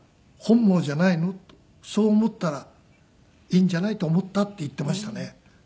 「そう思ったらいいんじゃないと思った」って言ってましたね。